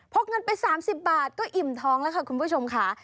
เงินไป๓๐บาทก็อิ่มท้องแล้วค่ะคุณผู้ชมค่ะ